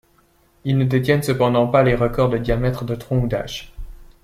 Ils ne détiennent cependant pas les records de diamètres de tronc ou d'âge.